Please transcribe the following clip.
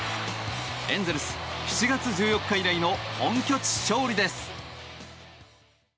エンゼルス、７月１４日以来の本拠地勝利です。